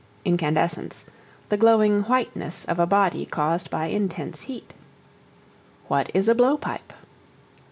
Incandescence, the glowing whiteness of a body caused by intense heat. What is a Blowpipe?